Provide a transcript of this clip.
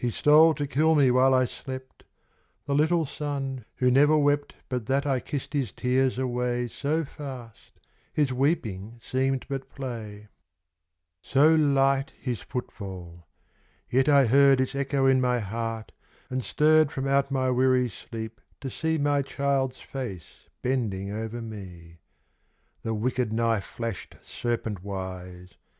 tole tn kill me while I slept — The little son, who never wi Tint that 1 kissed l. iway his weeping seemed but play. 48 The Mother. So light his footfall. Yet I heard Its echo in my heart, and stirred From out my weary sleep to see My child's face bending over me. The wicked knife flashed serpent wise.